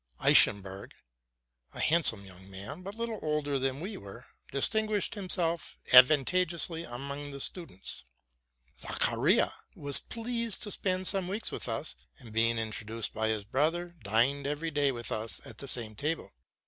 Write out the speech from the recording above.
Eschenburg, a handsome young man, but little older than we were, distinguished himself advantageously among the students. Zacharia was pleased io spend some weeks with us, and, being introduced by his brother, dined every day with us at the same table.